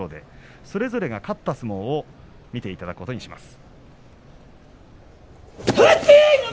それぞれが勝った相撲を見ていただきます。